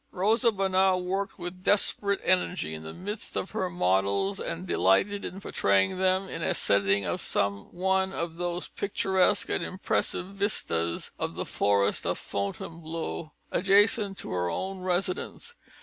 Rosa Bonheur worked with desperate energy in the midst of her models and delighted in portraying them in a setting of some one of those picturesque and impressive vistas of the forest of Fontainebleau, adjacent to her own residence.